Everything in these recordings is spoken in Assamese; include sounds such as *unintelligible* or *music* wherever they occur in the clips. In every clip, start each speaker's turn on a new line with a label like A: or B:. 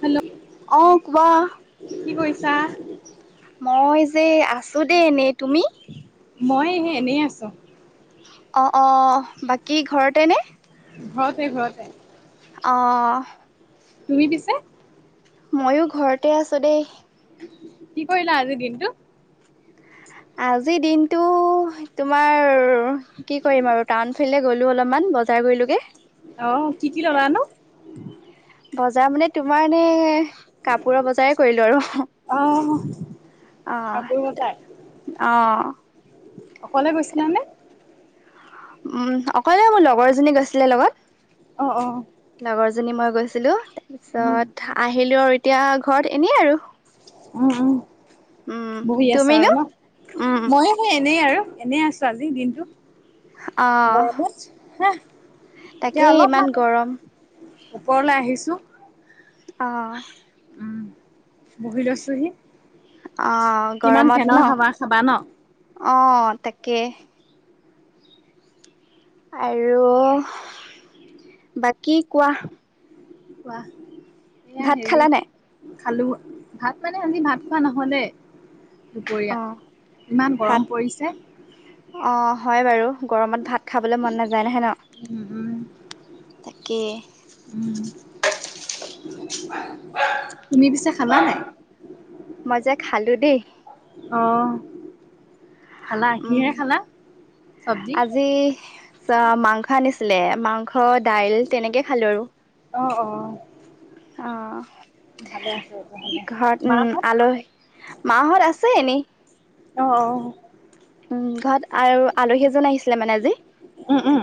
A: হেল্ল'
B: অ' কোৱা।
A: কি কৰিছা?
B: মই যে আছোঁ দেই এনেই। তুমি?
A: মইহে এনেই আছোঁ।
B: অ', অ' বাকী ঘৰতে নে?
A: ঘৰতে ঘৰতে।
B: অ', অ'।
A: তুমি পিছে?
B: ময়ো ঘৰতে আছোঁ দেই।
A: কি কৰিলা আজিৰ দিনটো?
B: আজিৰ দিনটো তোমাৰ কি কৰিম আৰু টাউনফালে গলোঁ অলপমান। বজাৰ কৰিলোঁগে।
A: অ' কি কি ললানো?
B: জাৰ মানে তোমাৰ এনে কাপোৰৰ বজাৰে কৰিলোঁ আৰু।
A: অ'
B: অ'।
A: কাপোৰ বজাই,
B: অ'
A: অকলে গৈছিলানে?
B: উম, অকলে মোৰ লগৰজনী গৈছিলে লগত।
A: অ', অ'।
B: জনী মই গৈছিলোঁ,
A: উম
B: তাৰপিছত আহিলোঁ আৰু এতিয়া ঘৰত এনেই আৰু।
A: উম, উম
B: উম,
A: বহি আছা
B: তুমিনো?
A: আৰু ন
B: উম।
A: এনেই আৰু এনে আছো আজি দিনটো
B: অ',
A: গৰমত হা এতিয়া
B: তাকেই
A: অলপ মান
B: ইমান গৰম।
A: ওপৰলৈ আহিছো।
B: আহ।
A: উম বহি লৈছোহি।
B: আহ
A: কিমান
B: গৰমত
A: ফেনৰ
B: ন
A: হাৱা খাবা ন?
B: অ', তাকেই। আৰু বাকী কোৱা।
A: কোৱাহ
B: ভাত খালা নাই?
A: *unintelligible* খালো ভাত মানে আজি ভাত খোৱা নহ'লে। দুপৰীয়া
B: অ',
A: ইমান
B: ভাত
A: গৰম পৰিছে।
B: অ', হয় বাৰু গৰমত ভাত খাবলৈ মন নাযায় নহয় ন।
A: উম।
B: তাকে।
A: উম তুমি পিছা খালা নাই।
B: মই যে খালো দেই।
A: অহ, খালা
B: উম,
A: কিহে খালা চব্জি।
B: আজি মাংস আনিছিলে মাংস দাইল তেনেকে খালো আৰু।
A: অ', অ',।
B: অহ।
A: ভালে আছো তেতিয়াহ'লে
B: ঘৰত উম
A: মাহঁত
B: আলহী মাহত আছে এনে।
A: অ', অ'।
B: উম ঘৰত আৰু আলহী এজন আহিছিলে মানে আজি
A: উম উম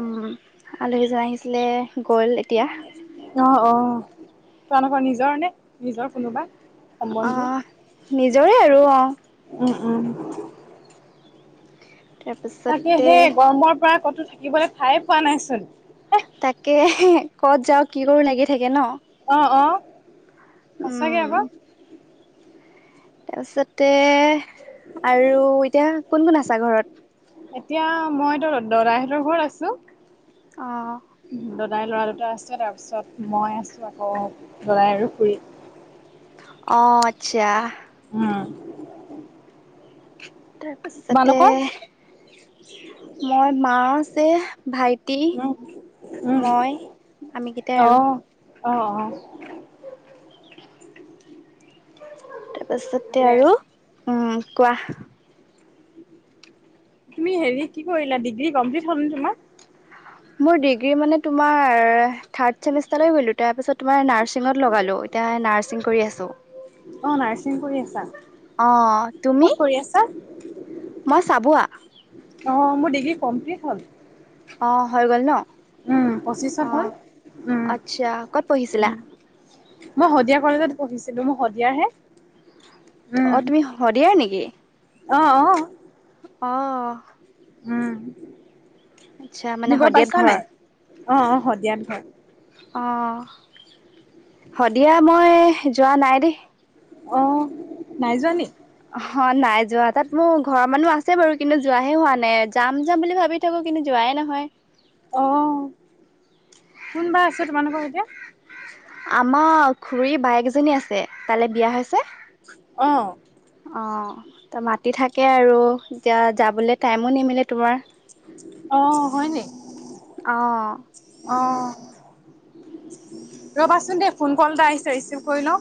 B: উম। আলহী জন আহিছে।
A: অ', অ', তোমালোকৰ নিজৰ নে নিজৰ কোনোবা? সম্বন্ধীয়
B: আহ নিজৰে আৰু অহ।
A: উম, উম। তাকে
B: তাৰপিছতে
A: সেই গৰমৰ পৰা কতো থাকিবলৈ ঠাই পোৱানাই চোন।
B: তাকে ক'ত যাওঁ কি কৰো লাগি থাকে ন।
A: সঁচা কে
B: উম
A: আকৌ।
B: তাৰপিছতে আৰু এতিয়া কোন কোন আছা ঘৰত
A: এতিয়া মই তোৰ দাদাহঁতৰ ঘৰত আছো।
B: অহ।
A: দাদাই লৰা দুটা আছে তাৰপিছত মই আছো আকৌ দৰাই আৰু খুুৰী। *inaudible*
B: অ', আচ্ছা।
A: উম।
B: তাৰপিছতে
A: তোমালোকৰ?
B: মই মা আছে ভাইটি
A: উম, উম,
B: মই আমি কেইটাই আৰু
A: আহ, আহ, আহ।
B: তাৰপাছতে
A: ভালে
B: আৰু
A: আছে,
B: উম কোৱা
A: তুমি হেৰি কি কৰিলা ডিগ্ৰী কমপ্লিট হল ন তোমাৰ
B: মোৰ ডিগ্ৰী মানে তোমাৰ থাৰ্ড চেমিষ্টাৰলৈ গ'লোঁ তাৰপিছত তোমাৰ নাৰ্ছিঙত লগালো এতিয়া নাৰ্ছিং কৰি আছোঁ।
A: অ', নাৰ্ছিং কৰি আছা
B: অ' তুমি?
A: ক'ত কৰি আছা, ক'ত কৰি আছা?
B: মই চাবুৱা।
A: অ', মোৰ ডিগ্ৰী কমপ্লিট হ'ল।
B: অ', হৈ গ'ল ন
A: উম, পঁচিছত হ'ল।
B: অ',
A: উম,
B: আচ্ছা ক'ত পঢ়িছিলা?
A: উম, মই শদিয়া কলেজত পঢ়িছিলো মোৰ শদিয়াৰ হে।
B: অ', তুমি শদিয়াৰ নেকি?
A: অ',।
B: অ।
A: উম,
B: আচ্ছা মানে
A: তুমি ঘৰ
B: শদিয়াত
A: পাইছা নাই অ সদিয়া ঘৰ-
B: অ', দিয়াত মই যোৱা নাই দেই।
A: অ', নাই যোৱ নি?
B: অ নাই যোৱা, তাত মোৰ ঘৰৰ মানুহ আছে বাৰু কিন্তু যোৱাহে হোৱা নাই যাম যাম বুলি ভাবি থাকো কিন্তু যোৱা- নাই নহয়।
A: আহ, কোনবা আছে তোমালোকৰ এতিয়া-
B: আমাৰ খুৰী বায়েকজনী আছে তালে বিয়া হৈছে-
A: অ',
B: অ। ত মাতি থাকে আৰু এতিয়া যাবলে টাইমো নিমিলে তোমাৰ।
A: আহ হয় নি।
B: অ
A: অ ৰ'বাচোন দে ফোন কল এটা আহিছে ৰিচিভ কৰি ল-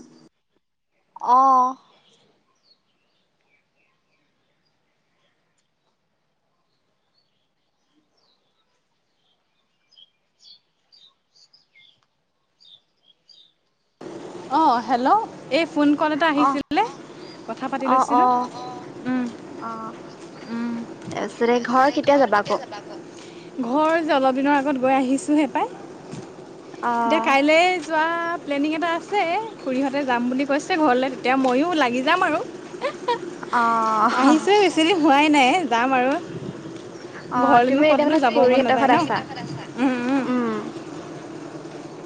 B: আহ।
A: অ হেল্ল' এই ফোন কল এটা
B: অ
A: আহিছিলে- কথা পাতি
B: অ অ
A: লৈছিলো উম
B: অ
A: উম।
B: তাৰপিছতে ঘৰ কেতিয়া যাবা আকৌ
A: ঘৰ যে অলপ দিনৰ আগত গৈ আহিছোঁহে পাই।
B: অ
A: এতিয়া কাইলৈ। যোৱা প্লেনিং এটা আছে খুৰীহঁতে যাম বুলি কৈছে ঘৰলৈ তেতিয়া ময়ো লাগি যাম আৰু- আহিছোঁহে বেছি
B: অ',
A: দিন হোৱাই নাই যাম আৰু-
B: অ
A: ঘৰনো
B: তুমি
A: কত
B: এতিয়া
A: নো
B: মানে
A: যাব মন
B: খুৰীহঁতৰ
A: নাযায়
B: ঘৰত
A: ন।
B: আছা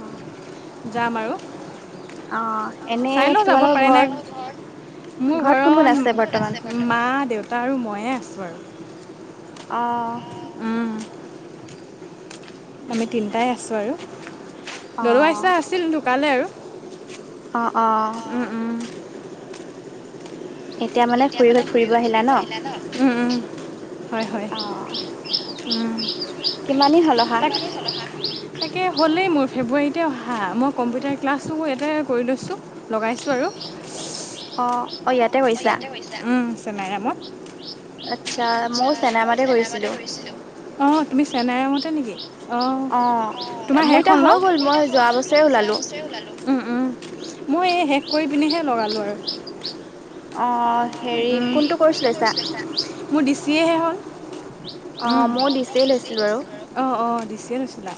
B: আহ।
A: যাম আৰু
B: অ ', এনে
A: চাই লওঁ যাব
B: তোমালোকৰ
A: পাৰে নাই।
B: ঘৰত
A: মোৰ
B: কোন
A: ঘৰত
B: কোন আছে
A: মা,
B: বৰ্তমান
A: দেউতা, আৰু ময়ে আছোঁ আৰু
B: অ',
A: উম। আমি তিনটাই আছো,
B: অ
A: আৰু *unintelligible* আছিল ধোকালে আৰু
B: অ', অ',
A: উম, উম, এতিয়া মানে ফুৰি গল ফুৰিব আহিলা ন হয়, হয়,
B: অ কিমান দিন হ'ল অহা
A: তাকে তাকে হ'লেই মোৰ ফেব্ৰুৱাৰীতে অহা, মই কম্পিউটাৰ ক্লাছো ইয়াতে কৰি লৈছোঁ লগাইছোঁ আৰু
B: অ অ ইয়াতে কৰিছা
A: উ, চনাইৰামত
B: আচ্ছা, ময় চেনেমাতে কৰিছিলো
A: অ', তোমাৰ
B: মোৰ
A: শেষ
B: এতিয়া
A: হ'ল
B: হৈ
A: ন
B: গ'ল
A: মই এই
B: যোৱা বছৰে ওলালো।
A: শেষ কৰি পিননেহে লগালোঁ আৰু
B: অ', হেৰি
A: উম,
B: কোনটো কৰিছিলা?
A: মোৰ ডিচিয়েহে হ'ল
B: অ মই ডিছেই লৈছিলো বাৰু
A: অ', অ', দিছে লৈছিলা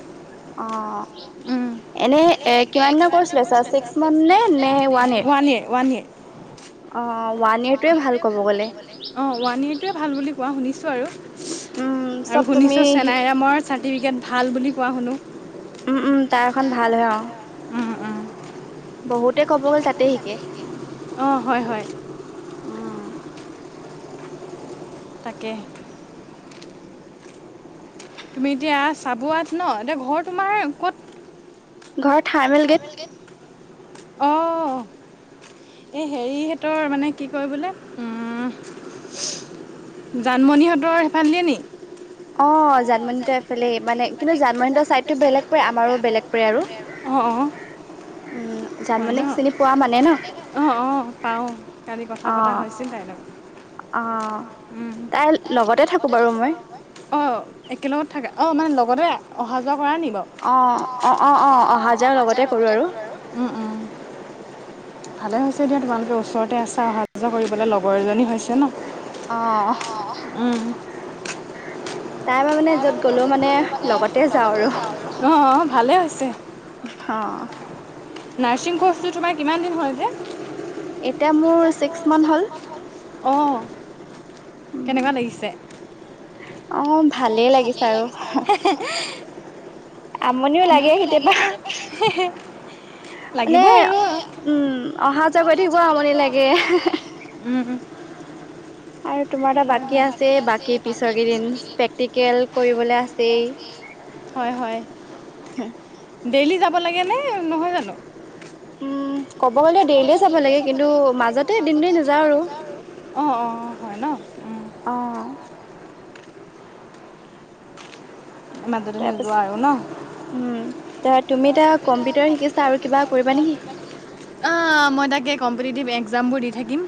B: অ'
A: উম,
B: এনে এ কিমান দিনৰ কৰ্চ লৈছা ছিক্স মান্থ নে নে ওৱান ইয়েৰ? অ' ওৱান ইয়েৰটোৱে ভাল ক'ব গ'লে।
A: *unintelligible* অ', ৱান ইয়েৰোৱে ভাল বুলি কোৱা শুনিছো বাৰু
B: উম,
A: আৰু
B: চব তুমি
A: শুনিছোঁ
B: শিক
A: চেনাইৰামৰ চাৰ্টিফিকেট ভাল বুলি কোৱা শুনো
B: তাৰখন ভাল হয় অ',
A: উম উম
B: বহুতে ক'ব গ'ল তাতে শিকে
A: অ', হয় হয়
B: অহ,
A: তাকে, তুমি এতিয়া চাবুৱাত ন' এতিয়া ঘৰ তোমাৰ ক'ত?
B: ঘৰ থাৰ্মেল গেট।
A: অ'। এই হেৰিহঁতৰ মানে কি কয় বোলে জানমণিহঁতৰ হেফাল দিয়ে নি?
B: জানমণি তাৰ এফালে মানে কিন্তু জানমণি ত' চাইডটো বেলেগ পৰে আমাৰো বেলেগ পৰে আৰু
A: অঁ অঁ
B: উম।
A: হয়
B: জানমণিক
A: ন',
B: চিনি পোৱা মানে ন?
A: অ', অ' পাওঁ, কালি কথা পতা
B: অ',
A: হৈছিলে তাই লগত।
B: অ'। তাইৰ লগতে থাকোঁ বাৰু মই
A: অ' একেলগত থাকা অ' মানে লগত হবদে অহা যোৱাৰ আগত কিবা কৰা নি বাৰু? অ', অ', অ' অহা যোৱা লগতে কৰোঁ আৰু। ভালে হৈছে দিয়া তোমালোকে ওচৰতে আছা, অহা যোৱা কৰিবলৈ লগৰ এজনী হৈছে ন'?
B: অ'।
A: উম।
B: তাই মই মানে য'ত গ'লেও মানে লগতে যাওঁ আৰু।
A: ভালে হৈছে।
B: অ'।
A: নাৰ্ছিং কৰ্চটো তোমাৰ কিমান দিন হ'ল যে?
B: এতিয়া মোৰ ছিক্স মান্থ হ'ল।
A: অ'।
B: উম
A: কেনেকুৱা লাগিছে?
B: অ' ভালেই লাগিছে আৰু।
A: আমনি লাগে কেতিয়াবা। লাগিব
B: মানে
A: আৰু। অহা যোৱা কৰি থাকিব আমনি লাগে। উম, উম।
B: আৰু তোমাৰ এতা
A: হয়
B: বাকী
A: হয়
B: আছেই, বাকী পিছৰ কেইদিন প্ৰেক্টিকেল কৰিবলৈ আছেই।
A: হয়, হয়।
B: *unintelligible*
A: ডেইলি যাব লাগেনে? নহয় জানো।
B: উম। ক'ব গ'লে
A: আমাৰ
B: ডেইলিয়ে
A: মনে
B: যাব
A: ডেইলিযাব লাগে কিন্তু
B: এদিন দুদিন
A: মাজতে দিনটো নাযাওঁ আৰু। অ', অ' হয় ন'?
B: অ'।
A: *inaudible* মাজতে নোযোৱা আৰু ন'?
B: হু, তুমি এতিয়া কম্পিউটাৰ শিকি আছা আৰু কিবা কৰিবা নেকি?
A: অ' মই তাকেই কম্পিটিটিভ এক্সামবোৰ দি থাকিম।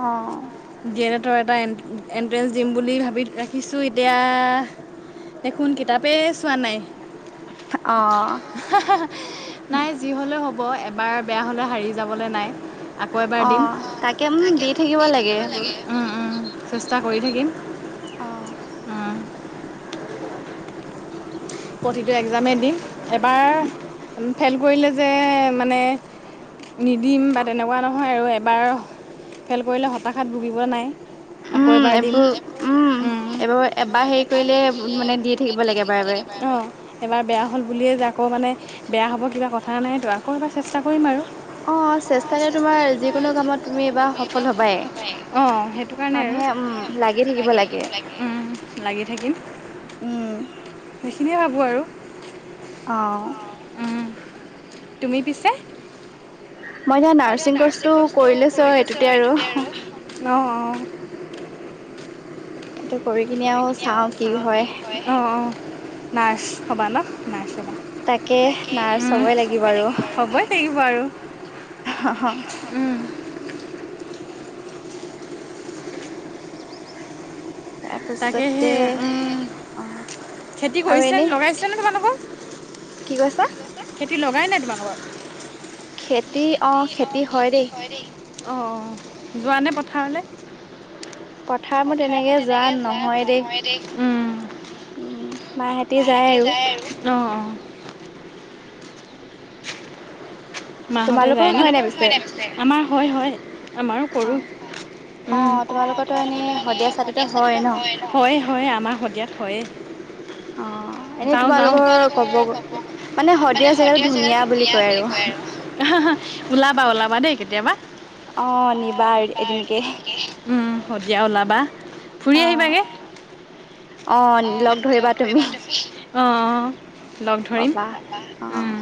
B: অ'।
A: তৰ এটা এ-এণ্ট্ৰেঞ্চ দিম বুলি ভাবি ৰাখিছোঁ এতিয়া এখোন কিতাপে চোৱা নাই।
B: অ',
A: নাই যি হলেও হ'ব। হ'ব, এবাৰ বেয়া হ'লে হাৰি যাবলৈ নাই আকৌ এবাৰ দিম। তাকে দি থাকিব লাগে। উ, উ। চেষ্টা কৰি থাকিম।
B: অ'।
A: প্ৰতিটো এক্সামেই দিম। এবাৰ ফেইল কৰিলে যে মানে নিদিম বা তেনেকুৱা নহয় আৰু বাৰ, ফেল কৰিলে হতাশাত ভুগিবলৈ নাই। আকৌ এবাৰ দিম। এইবোৰ এবাৰ হেৰি কৰিলে মানে দি থাকিব লাগে বাৰু অ' এবাৰ বেয়া হ'ল বুলিয়ে যে আকৌ মানে বেয়া হ'ব কিবা কথা নাইতো, আকৌ এবাৰ চেষ্টা কৰিম আৰু। *unintelligible* অ'
B: অ', চেষ্টাৰে তোমাৰ যিকোনো কামত তুমি এবাৰ সফল হবাই।
A: সেইটো কাৰণে আৰু। মানে লাগি থাকিব লাগে। উ, লাগি থাকিম।
B: উম,
A: খিনিয়ে ভাবোঁ আৰু।
B: অ'।
A: তুমি পিছে?
B: মই এতিয়া নাৰ্ছিং কৰ্চটো কৰি লৈছো আৰু এইটোতে আৰু।
A: অ', অ'। কৰি কিনে আৰু চাওঁ কি হয়। অ', অ'। নাৰ্চ হ'বা ন? নাৰ্চ হ
B: তাকে নাৰ্ছ হ'বই লাগিব আৰু।
A: হ'বই লাগিব আৰু।
B: *unintelligible*
A: উম তাকেহে
B: তাৰপিছতে
A: উ,
B: অ',
A: খেতি
B: আৰু
A: কৰিছেন
B: এনেই
A: লগাইছেনে তোমালোকৰ?
B: কি কৈছা?
A: খেতি লগাই নাই তোমালোকৰ?
B: খেতি অ', খেতি হয় দেই।
A: অ', অ', যোৱা নে পথাৰলৈ? পথাৰলৈ তেনেকে যোৱা নহয় দেই। মাঁ হেতি যায় আৰু। অ', অ'। মাঁহতে
B: তোমালোকৰ
A: যায় ন।
B: হয় নাই পিছে?
A: আমাৰ হয়, হয়। আমাৰো কৰোঁ।
B: অ',
A: উ।
B: অ', তোমালোকৰতো এনেই শদিয়া চাইডতে হয় ন?
A: হয়, হয় আমাৰ শদিয়াত হয়ে। *inaudible* যাওঁ, যাওঁ। *unintelligible* মানে শদিয়াৰ জেগাতো ধুনীয়া বুলি কয় আৰু। ওলাবা ওলাবা দেই কেতিয়াবা। অ', নিবা এদিনকে। উম, শদিয়া ওলাবা। ফুৰি
B: অ',
A: আহিবাগে।
B: অ', লগ ধৰিবা তুমি।
A: অ', অ', লগ ধৰিম।
B: ক'বা
A: উ।
B: অ',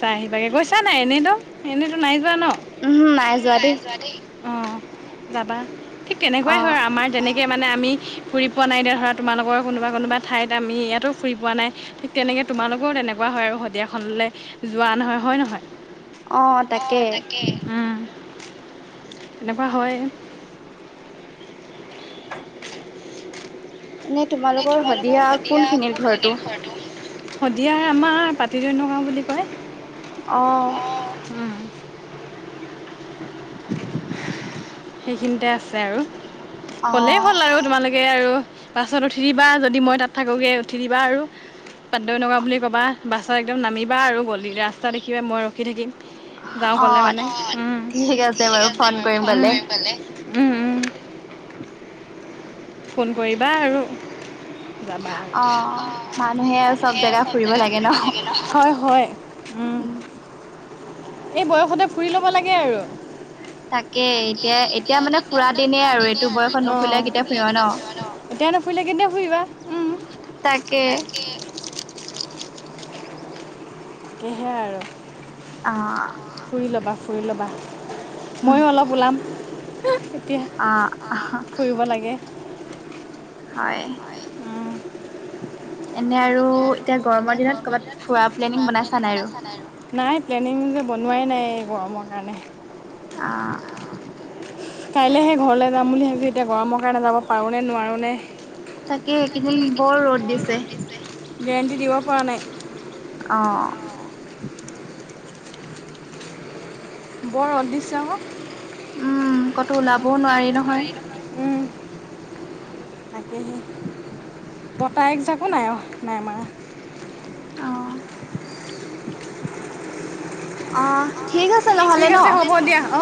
A: চাই আহিবাগে গৈছা নাই এনেইতো, এনেইতো নাই যোৱা ন! উহু, নাই যোৱা দেই। অ', যাবা, ঠিক তেনেকুৱাই হয়,
B: অ',
A: আমাৰ যেনে কে মানে আমি ফুৰি পোৱা নাই এতিয়া ধৰা তোমালোকৰ কোনোবা কোনোবা ঠাইত আমি ইয়াতো ফুৰি পোৱা নাই, ঠিক তেনে কে তোমালোকৰও তেনেকুৱা হয় আৰু
B: অ',
A: শদিয়াখনলৈ
B: তাকে।
A: যোৱা নহয় হয় নহয়? অ', তাকে। উ। এনেকুৱা হয়ে। *inaudible* এনে তোমালোকৰ শদিয়া কোনখিনিত ঘৰটো? শদিয়া আমাৰ পাটিদৈ নগাঁও বুলি কয়।
B: অ'।
A: উম,
B: *inaudible*
A: সেইখিনিতে আছে আৰু। কলেই
B: অ',
A: হ'ল আৰু তোমালোকে আৰু। বাছত উঠি দিবা, যদি মই তাত থাকোগে উঠি দিবা আৰু। পাটদৈ নগাওঁ বুলি ক'বা, বাছত একদম নামিবা আৰু গলি ৰাস্তা দেখিবা মই ৰখি থাকিম। যাওঁ কলে
B: অ',
A: মানে। উ, ঠিক আছে বাৰু, উ, ফন কৰিম গ'লে। উ, উ। ফোন কৰিবা আৰু। যাবা আৰু। অ' মানুহে চব জেগা ফুৰিব লাগ ন? হয়, হয়। উম
B: উ।
A: এই বয়সতে ফুৰি ল'ব লাগে আৰু।
B: তাকে
A: তাকেই, এতিয়া এতিয়া মানে
B: দিনেই
A: ফুৰা দিনে
B: এইটো
A: আৰু
B: বয়সত
A: *unintelligible*
B: নুফুৰিলে কেতিয়া ফুৰিবা ন?
A: অ'। এতিয়া নুফুৰিলে কেতিয়া ফুৰিবা? উ। তাকে। সেয়েহে আৰু।
B: অ',
A: ফুৰি ল'বা, ফুৰি ল'বা। ময়ো অলপ ওলাম। এতিয়া, অ', ফুৰিব লাগে।
B: হয়।
A: *inaudible*
B: এনে আৰু এতিয়া
A: *inaudible*
B: গৰমৰ দিনত ক'ৰবাত
A: নাই
B: ফুৰা
A: প্লেনিং
B: বনাইছা নাই আৰু?
A: বনোৱাই নাই, গৰমৰ কাৰণে।
B: আহ',
A: কাইলৈহে ঘৰলৈ যাম বুলি ভাবিছোঁ, এতিয়া গৰমৰ কাৰণে যাব পাৰোঁনে নোৱাৰোঁনে।
B: তাকে এইকেইদিন বৰ ৰ'দ দিছে।
A: গেৰেণ্টি দিব পৰা নাই।
B: অ',
A: বৰ ৰদ দিছে অ',
B: উম, ক'তো ওলাবও নোৱাৰি নহয়।
A: উম, *inaudible* তাকেহে, বতাহ এক জাকো নাই অ, নাই মৰা।
B: অ', অহ, ঠিক আছে নহ'লে
A: ঠিক
B: ন?
A: আছে হ'ব দিয়া অঁ